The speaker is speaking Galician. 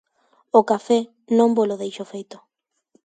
O café non volo deixo feito.